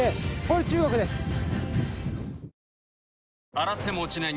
洗っても落ちない